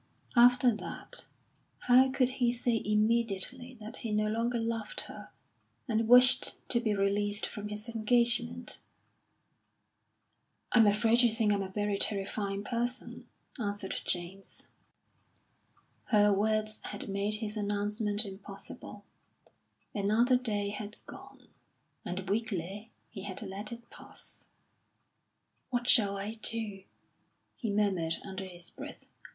After that, how could he say immediately that he no longer loved her, and wished to be released from his engagement? "I'm afraid you think I'm a very terrifying person," answered James. Her words had made his announcement impossible; another day had gone, and weakly he had let it pass. "What shall I do?" he murmured under his breath.